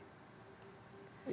mungkin dalam keseharian di luar partai